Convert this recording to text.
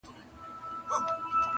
یو څه ملنګ یې یو څه شاعر یې--!